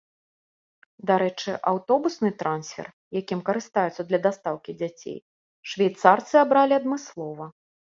Дарэчы, аўтобусны трансфер, якім карыстаюцца для дастаўкі дзяцей, швейцарцы абралі адмыслова.